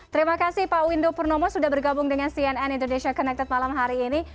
terima kasih pak windu purnomo sudah bergabung dengan cnn indonesia connected malam hari ini